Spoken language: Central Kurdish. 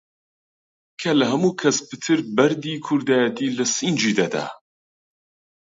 کە لە هەموو کەس پتر بەردی کوردایەتی لە سینگی دەدا!